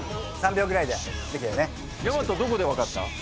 やまとどこで分かった？